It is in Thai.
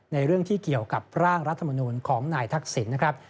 เรื่องที่เกี่ยวกับร่างรัฐมนูลของนายทักษิณนะครับ